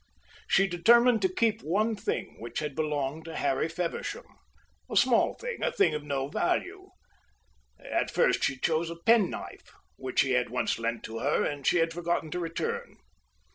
She determined to keep one thing which had belonged to Harry Feversham, a small thing, a thing of no value. At first she chose a penknife, which he had once lent to her and she had forgotten to return.